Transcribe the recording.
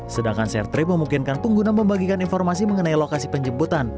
sedangkan share trip memungkinkan pengguna membagikan informasi mengenai lokasi penjemputan